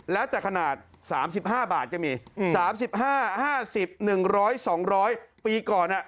แล้วแต่ขนาด๓๕บาทก็มี๓๕๕๐๑๐๐๒๐๐ปีก่อน